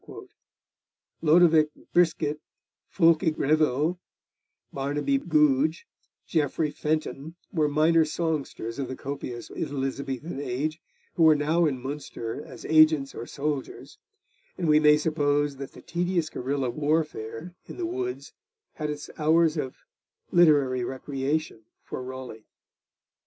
Lodovick Bryskett, Fulke Greville, Barnabee Googe, and Geoffrey Fenton were minor songsters of the copious Elizabethan age who were now in Munster as agents or soldiers, and we may suppose that the tedious guerilla warfare, in the woods had its hours of literary recreation for Raleigh.